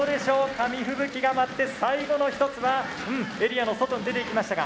紙飛行機が舞って最後の一つはエリアの外に出ていきましたが。